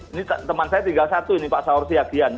ini teman saya tinggal satu ini pak saur siagian